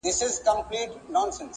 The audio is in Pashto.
چې د شپې خوبونه